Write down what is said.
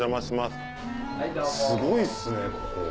すごいっすね